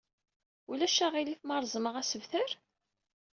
Ulac aɣilif ma reẓmeɣ asaber?